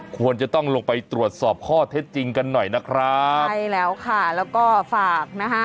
ควรจะต้องลงไปตรวจสอบข้อเท็จจริงกันหน่อยนะครับใช่แล้วค่ะแล้วก็ฝากนะคะ